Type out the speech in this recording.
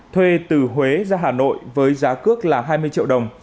thuê từ huế ra hà nội với giá cước là hai mươi triệu đồng